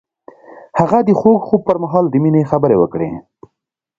هغه د خوږ خوب پر مهال د مینې خبرې وکړې.